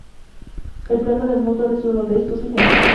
El plano de Moulton es uno de estos ejemplos.